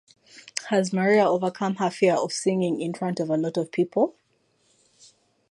Has Maria overcome her fear of singing in front of a lot of people?